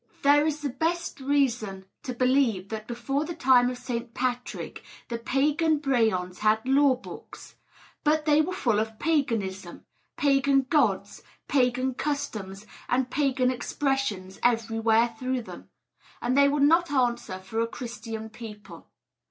There is the best reason to believe that before the time of St. Patrick the pagan brehons had law books. But they were full of paganism pagan gods, pagan customs, and pagan expressions everywhere through them; and they would not answer for a Christian people.